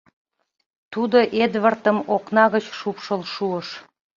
Тудо Эдвардым окна гыч шупшыл шуыш.